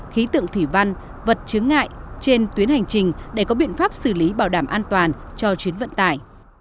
khí tượng thủy văn vật chứng ngại trên tuyến hành trình để có biện pháp xử lý bảo đảm an toàn cho chuyến vận tải